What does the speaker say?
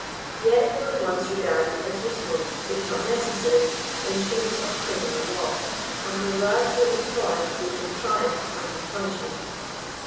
Yet they were once regarded as useful if not necessary instruments of criminal law, and were largely employ ed both in trial and in punishment.